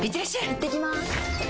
いってきます！